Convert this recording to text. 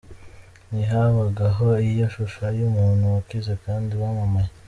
Ntihabagaho iyo shusho y’umuntu wakize kandi wamamaye.